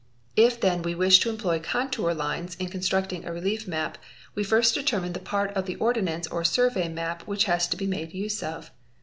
If then we wish to employ contour lines in con structing a relief map, we first determine the part of the ordnance or survey map which has to be made use of.